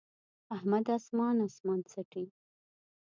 احمد اسمان اسمان څټي.